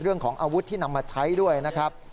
เรื่องของอาวุธที่นำมาใช้ด้วยนะครับ